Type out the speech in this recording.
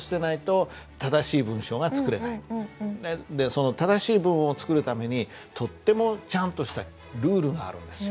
その正しい文を作るためにとってもちゃんとしたルールがあるんですよ。